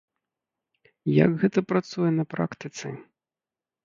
Як гэта працуе на практыцы?